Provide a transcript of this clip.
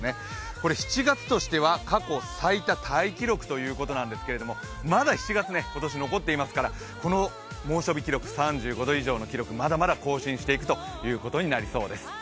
これ、７月としては過去最多タイ記録ということなんですけど、まだ７月、今年残っていますから、この猛暑日記録、３５度以上の記録まだまだ更新していくということになりそうです。